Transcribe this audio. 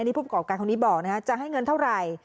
นี่ผู้ประกอบการคนนี้บอกนะฮะจะให้เงินเท่าไหร่